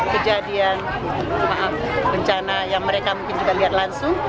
kejadian maaf bencana yang mereka mungkin juga lihat langsung